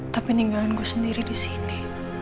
tapi ninggalkan gue sendiri disini